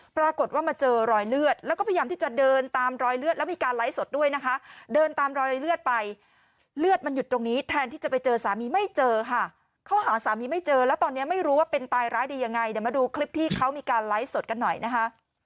ปรากฏว่ามาเจอรอยเลือดแล้วก็พยายามที่จะเดินตามรอยเลือดแล้วมีการไลฟ์สดด้วยนะคะเดินตามรอยเลือดไปเลือดมันหยุดตรงนี้แทนที่จะไปเจอสามีไม่เจอค่ะเขาหาสามีไม่เจอแล้วตอนนี้ไม่รู้ว่าเป็นตายร้ายดียังไงเดี๋ยวมาดูคลิปที่เขามีการไลฟ์สดกันหน่อยนะคะ